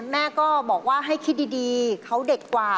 แม่ก็บอกว่าให้คิดดีเขาเด็กกว่า